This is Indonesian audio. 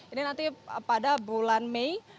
ini nanti pada bulan mei